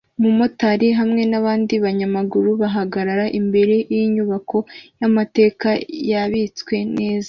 Umumotari hamwe nabandi banyamaguru bagaragara imbere yinyubako yamateka yabitswe neza